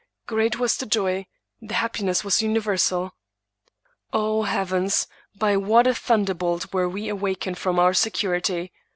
Great was the joy; the happiness was universal. O heavens! by what a thunderbolt were we awakened from our security!